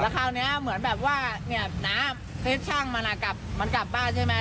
ตอนนี้เหมือนแบบว่าเนี่ยน้ำคลิปช่างมันอ่ะกลับมันกลับบ้านใช่ไหม